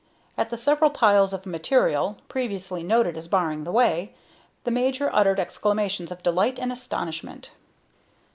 At the several piles of material, previously noted as barring the way, the major uttered exclamations of delight and astonishment.